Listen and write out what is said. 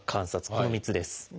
この３つです。